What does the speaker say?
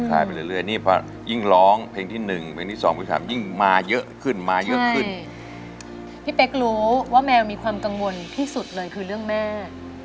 พี่เป๊กรู้ว่าแมวมีความกังวลที่สุดเลยคือเรื่องแม่